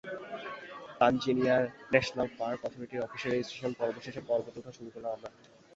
তাঞ্জানিয়ার national park অথরিটির অফিসে registration পর্ব শেষে পর্বতে ওঠা শুরু করলাম আমরা।